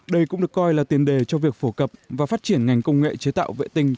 đây cũng được coi là tiền đề cho việc phổ cập và phát triển ngành công nghệ chế tạo